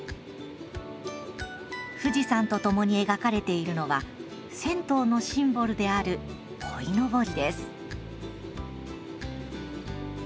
富士山とともに描かれているのは銭湯のシンボルであるこいのぼりです。